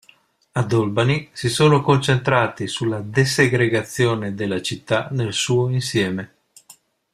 Ad Albany si sono concentrati sulla desegregazione della città nel suo insieme.